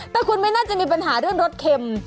แต่คุณไม่น่าจะมีปัญหาเรื่องรสเค็ม